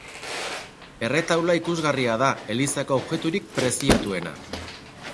Erretaula ikusgarria da elizako objekturik preziatuena.